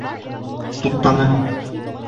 Туҡтаны.